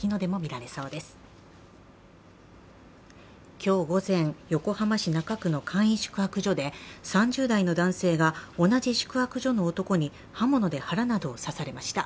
今日午前、横浜市中区の簡易宿泊所で３０代の男性が同じ宿泊所の男に刃物で腹などを刺されました。